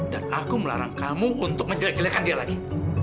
dan aku melarang kamu untuk menjelek jelekan dia lagi